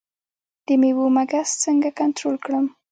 د میوو مګس څنګه کنټرول کړم؟